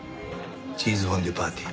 チーズフォンデュパーティー。